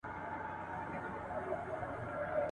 پکښي نه ورښکارېدله خپل عیبونه !.